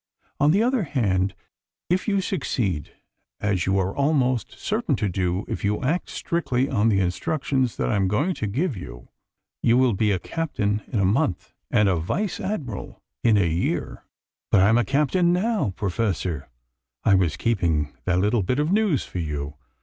On the other hand, if you succeed, as you are almost certain to do if you act strictly on the instructions that I am going to give you, you will be a Captain in a month, and a Vice Admiral in a year." "But I'm a Captain now, Professor. I was keeping that little bit of news for you.